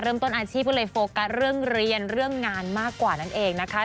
ต้นอาชีพก็เลยโฟกัสเรื่องเรียนเรื่องงานมากกว่านั่นเองนะคะ